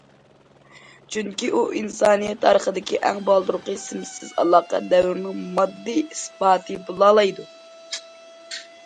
چۈنكى ئۇ ئىنسانىيەت تارىخىدىكى ئەڭ بالدۇرقى سىمسىز ئالاقە دەۋرىنىڭ ماددىي ئىسپاتى بولالايدۇ.